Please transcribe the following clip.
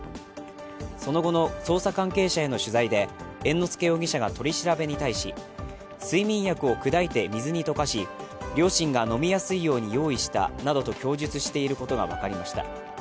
その後の捜査関係者への取材で猿之助容疑者が取り調べに対し睡眠薬を砕いて水に溶かし、両親が飲みやすいように用意したなどと供述していることが分かりました。